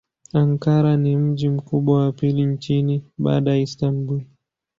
Ankara ni mji mkubwa wa pili nchini baada ya Istanbul.